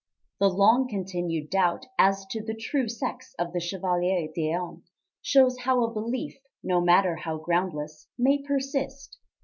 The long continued doubt as to the true sex of the Chevalier D'Eon shows how a belief, no matter how groundless, may persist.